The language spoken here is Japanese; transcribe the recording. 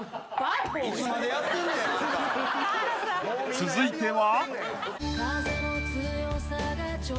［続いては］